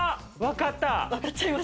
わかった！